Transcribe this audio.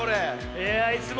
いやいつもね